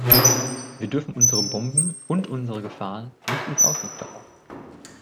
Wir dürfen unsere Bomben und unsere Gefahren nicht ins Ausland verlagern.